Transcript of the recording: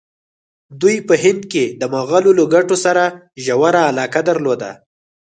دوی په هند کې د مغولو له ګټو سره ژوره علاقه درلوده.